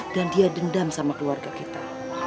dan dia dendam sama keluarga kita